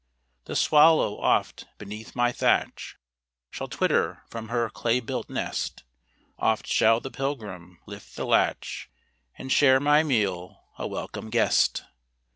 The swallow, oft, beneath my thatch, Shall twitter from her clay built nest; Oft shall the pilgrim lift the latch, And share my meal, a welcome guest.